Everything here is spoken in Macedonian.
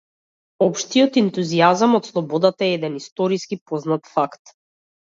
Општиот ентузијазам од слободата е еден историски познат факт.